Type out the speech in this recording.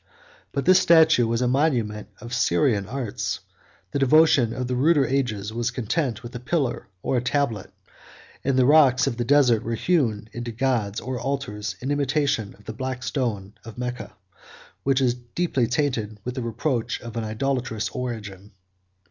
But this statue was a monument of Syrian arts: the devotion of the ruder ages was content with a pillar or a tablet; and the rocks of the desert were hewn into gods or altars, in imitation of the black stone 49 of Mecca, which is deeply tainted with the reproach of an idolatrous origin.